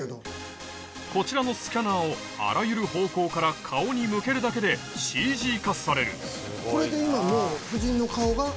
こちらのスキャナーをあらゆる方向から顔に向けるだけでＣＧ化されるこれで今もう夫人の顔が。